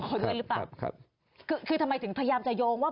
พอด้วยหรือเปล่าคือทำไมถึงพยายามจะโยงว่า